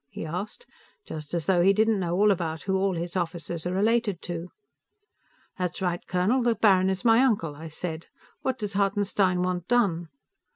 he asked, just as though he didn't know all about who all his officers are related to. "That's right, colonel; the baron is my uncle," I said. "What does Hartenstein want done?"